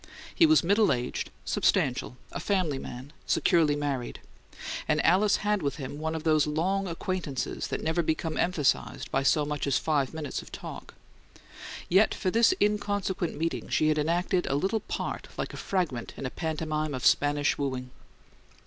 He was middle aged, substantial, a family man, securely married; and Alice had with him one of those long acquaintances that never become emphasized by so much as five minutes of talk; yet for this inconsequent meeting she had enacted a little part like a fragment in a pantomime of Spanish wooing.